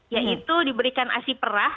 yaitu diberikan asi perah